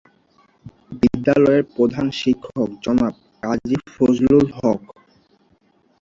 বিদ্যালয়ের প্রধান শিক্ষক জনাব কাজী ফজলুল হক।